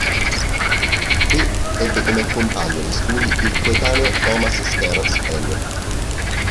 Qui ebbe come compagno di studi il coetaneo Thomas Stearns Eliot.